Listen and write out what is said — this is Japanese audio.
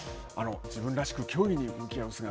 自分らしく競技に向き合う姿